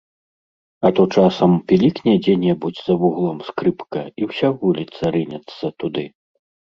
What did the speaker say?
А то часам пілікне дзе-небудзь за вуглом скрыпка, і ўся вуліца рынецца туды.